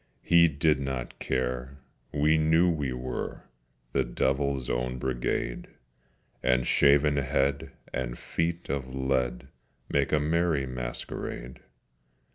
We did not care: we knew we were The Devil's Own Brigade: And shaven head and feet of lead Make a merry masquerade.